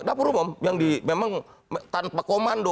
dapur umum yang memang tanpa komando